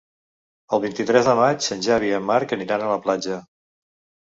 El vint-i-tres de maig en Xavi i en Marc aniran a la platja.